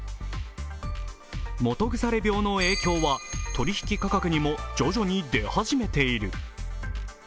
基腐病の影響は取り引き価格にも徐々に出始めている。